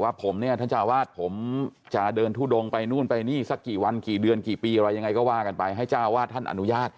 ว่าผมเนี่ยท่านเจ้าวาดผมจะเดินทุดงไปนู่นไปนี่สักกี่วันกี่เดือนกี่ปีอะไรยังไงก็ว่ากันไปให้เจ้าวาดท่านอนุญาต